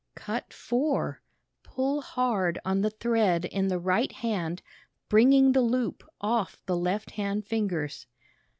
Cut 4 Pull hard on the thread in the right hand bringing the loop off the left hand fingers.